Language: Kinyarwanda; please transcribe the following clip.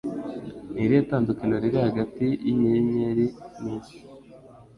Ni irihe tandukaniro riri hagati yinyenyeri nisi?